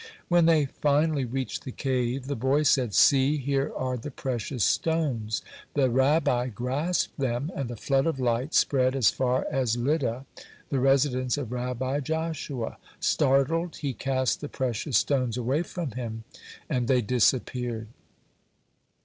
When they finally reached the cave, the boy said: "See, here are the precious stones!" The Rabbi grasped them, and a flood of light spread as far as Lydda, the residence of Rabbi Joshua. Startled, he cast the precious stones away from him, and they disappeared.